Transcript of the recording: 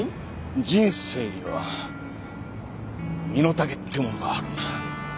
人生には身の丈ってもんがあるんだ。